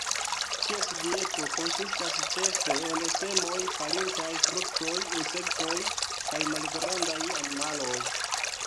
Ties dieto konsistas ĉefe el semoj, falintaj fruktoj, insektoj kaj malgrandaj animaloj.